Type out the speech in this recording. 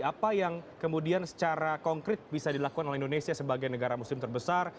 apa yang kemudian secara konkret bisa dilakukan oleh indonesia sebagai negara muslim terbesar